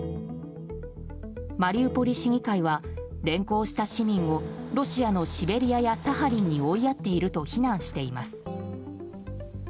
マリウポリ市議会は連行した市民をロシアのシベリアやサハリンに追いやっていると非難しています。